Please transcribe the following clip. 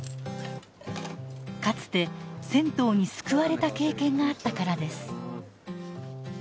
かつて銭湯に救われた経験があったからです。